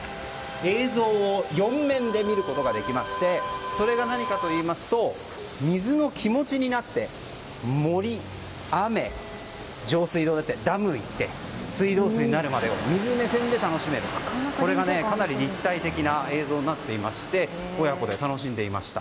映像を４面で見ることができましてそれが何かといいますと水の気持ちになって森、雨、浄水場を経てダムに至るまで水道水になるまでを水の目線で楽しめ立体的な映像になっていて親子で楽しんでいました。